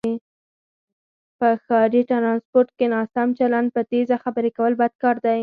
په ښاری ټرانسپورټ کې ناسم چلند، په تیزه خبرې کول بد کاردی